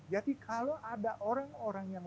jadi kalau ada orang orang yang